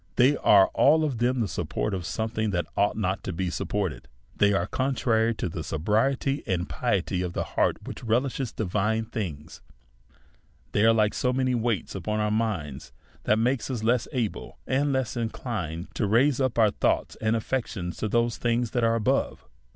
They are all of them the support of something that ought not to be supported : they are contrary to that sobriety and piety of heart which re lishes divine things ; they are like so many weights upon our minds, that make us less able and less inclin ed to raise up our thoughts and affections to the things that are above.